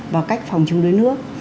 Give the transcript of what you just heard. và cách phòng chống đuối nước